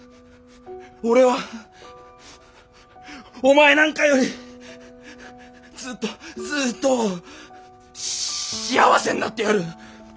俺はお前なんかよりずっとずっと幸せになってやる！